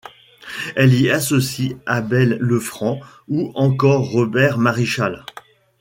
Elle y associe Abel Lefranc, ou encore Robert Marichal.